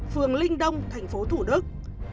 phường linh đông tp thủ đức